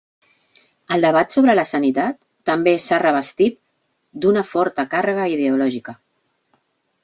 El debat sobre la sanitat també s'ha revestit d'una forta càrrega ideològica.